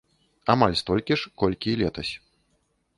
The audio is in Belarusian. Амаль столькі ж, колькі і летась.